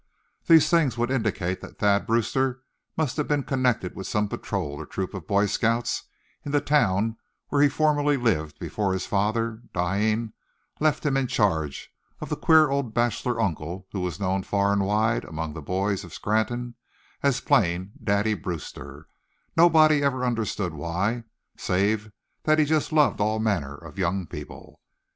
These things would indicate that Thad Brewster must have been connected with some patrol, or troop of Boy Scouts, in the town where he formerly lived before his father, dying, left him in charge of the queer old bachelor uncle who was known far and wide among the boys of Scranton as plain "Daddy Brewster" nobody ever understood why, save that he just loved all manner of young people.